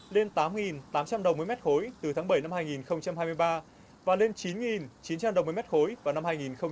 lên tám tám trăm linh đồng một mét khối từ tháng bảy năm hai nghìn hai mươi ba và lên chín chín trăm linh đồng một mét khối vào năm hai nghìn hai mươi